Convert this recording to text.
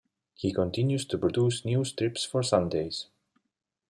He continues to produce new strips for Sundays.